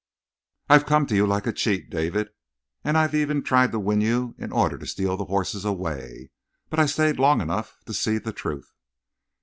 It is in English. "I've come to you like a cheat, David, and I've tried to win you in order to steal the horses away, but I've stayed long enough to see the truth.